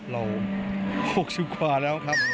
เรา๖ชั่วกว่าแล้วครับ